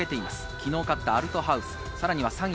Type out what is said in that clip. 昨日勝ったアルトハウスが２位。